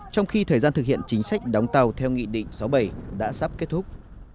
trong khi thời gian thực hiện chính sách đóng tàu theo nghị định sáu mươi bảy đã sắp kết thúc